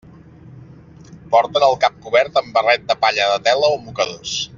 Porten el cap cobert amb barret de palla de tela o mocadors.